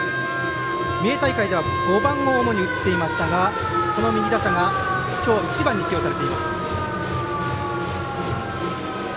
三重大会では５番を主に打っていましたが右打者がきょう、１番に起用されています。